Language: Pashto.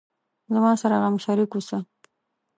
زما سره غم شریک اوسه